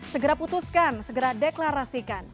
segera putuskan segera deklarasikan